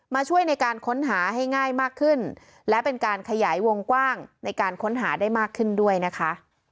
ช่วยในการค้นหาให้ง่ายมากขึ้นและเป็นการขยายวงกว้างในการค้นหาได้มากขึ้นด้วยนะคะ